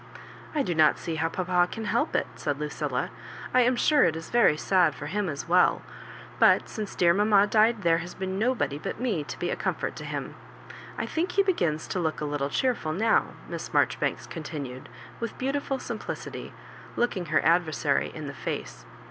" I do not see how papa can help it," said Lu cilla. " I am sure it is very sad for him as well ; but since dear mamma died there has been no* body but me to be a comfort to him. I think he begins to look a little cheerful now," Miss Marjo ribanks continued, with beautiful simplicity, lookuig her adversary in the face.